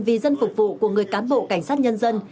vì dân phục vụ của người cán bộ cảnh sát nhân dân